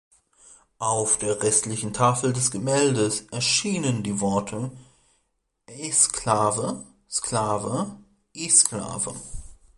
Auf der rechten Tafel des Gemäldes erscheinen die Worte „Esklave, Sklave, Esklave“.